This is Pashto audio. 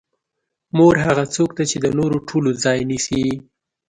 مور هغه څوک ده چې د نورو ټولو ځای نیسي.